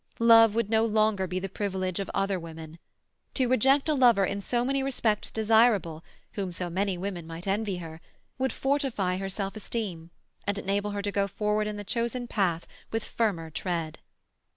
Love would no longer be the privilege of other women. To reject a lover in so many respects desirable, whom so many women might envy her, would fortify her self esteem, and enable her to go forward in the chosen path with firmer tread.